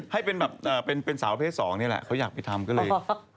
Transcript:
ให้เป็นแบบเป็นสาวเพศ๒นี่แหละเขาอยากไปทำก็เลย